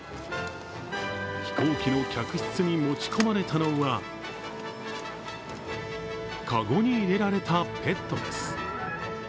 飛行機の客室に持ち込まれたのは籠に入れられたペットです。